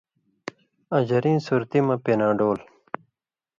آں ژریں صُورتی مہ پېناڈول۔